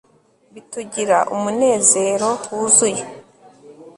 Bitugira umunezero wuzuye